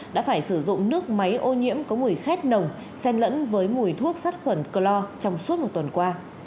đã phải sử dụng nước máy ô nhiễm có mùi khét nồng sen lẫn với mùi thuốc sát khuẩn clor trong suốt một tuần qua